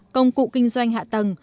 công cụ kinh doanh hạ tầng